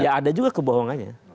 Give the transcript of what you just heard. ya ada juga kebohongannya